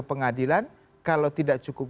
pengadilan kalau tidak cukup